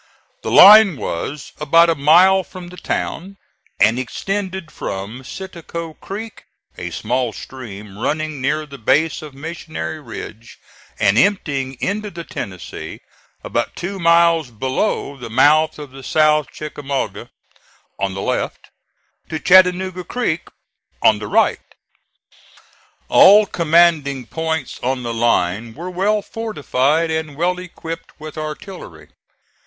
The line was about a mile from the town, and extended from Citico Creek, a small stream running near the base of Missionary Ridge and emptying into the Tennessee about two miles below the mouth of the South Chickamauga, on the left, to Chattanooga Creek on the right. All commanding points on the line were well fortified and well equipped with artillery.